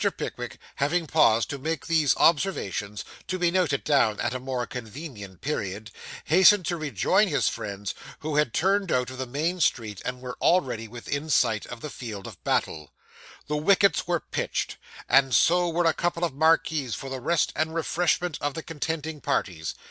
Pickwick having paused to make these observations, to be noted down at a more convenient period, hastened to rejoin his friends, who had turned out of the main street, and were already within sight of the field of battle. The wickets were pitched, and so were a couple of marquees for the rest and refreshment of the contending parties.